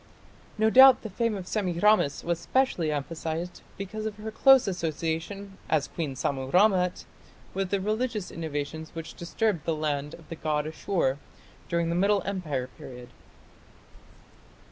No doubt the fame of Semiramis was specially emphasized because of her close association, as Queen Sammu rammat, with the religious innovations which disturbed the land of the god Ashur during the Middle Empire period.